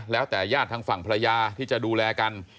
แล้วแต่ญาติทางฝั่งภรรยาที่จะดูแลกัน